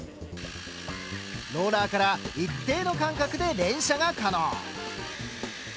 ローラーから一定の間隔で連射が可能。